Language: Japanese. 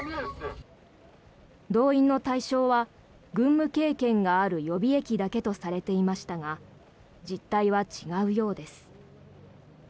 動員の対象は、軍務経験がある予備役だけとされていましたが実態は違うようです。